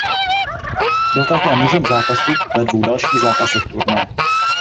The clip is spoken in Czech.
Byl také Mužem zápasu ve dvou dalších zápasech turnaje.